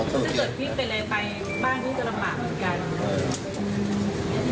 ใช่หรือเป็นไรไปบ้านมันจะลำบากเหมือนกัน